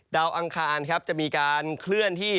ดาวอาคารจะมีการเคลื่อนที่